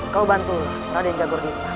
kau bantulah raden jagur dita